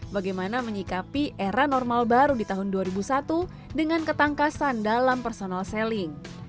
bagaimana menyikapi era normal baru di tahun dua ribu satu dengan ketangkasan dalam personal selling